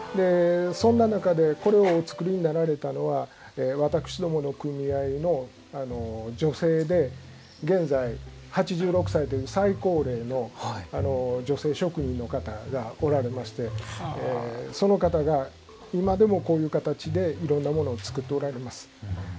そんな中で、これをお作りになられたのは私どもの組合の女性で現在、８６歳という最高齢の女性職人の方がおられましてその方が、今でもこういう形でいろんなものを作っておられます。